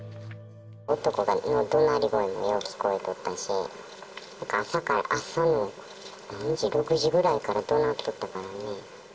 男のどなり声がよう聞こえとったし、朝の何時、６時くらいからどなっとったからね。